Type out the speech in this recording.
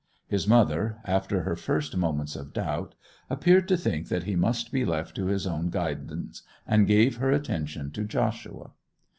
His mother, after her first moments of doubt, appeared to think that he must be left to his own guidance, and gave her attention to Joshua.